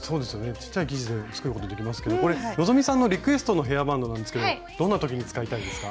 ちっちゃい生地で作ることできますけどこれ希さんのリクエストのヘアバンドなんですけどどんなときに使いたいですか？